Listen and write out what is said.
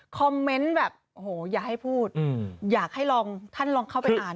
เมนต์แบบโอ้โหอย่าให้พูดอยากให้ลองท่านลองเข้าไปอ่าน